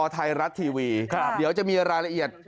ไทยรัฐทีวีเดี๋ยวจะมีรายละเอียด